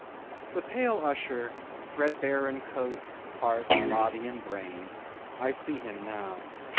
The pale Usher—threadbare in coat, heart, body, and brain; I see him now.